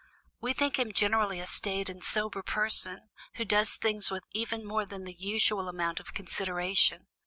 We think him generally a staid and sober person, who does things with even more than the usual amount of consideration.